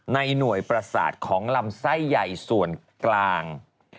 ในหน่วยประสาทของลำไส้ใหญ่ส่วนกลาง